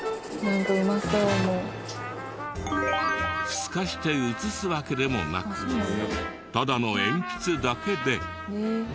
透かして写すわけでもなくただのエンピツだけで。